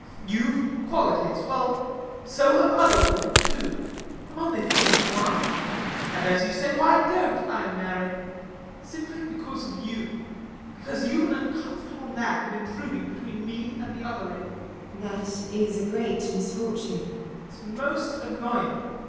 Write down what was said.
You've qualities well, so have other women, too. I'm only forty one and, as you say, why don't I marry? Simply because of you. Because you've an uncomfortable knack of intruding between me and the other lady. LADY TORMINSTER. That is a great misfortune. SIR GEOFFREY. It's most annoying.